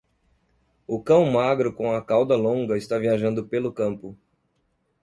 O cão magro com a cauda longa está viajando pelo campo.